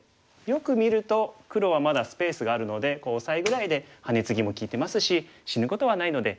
よく見ると黒はまだスペースがあるのでオサエぐらいでハネツギも利いてますし死ぬことはないので。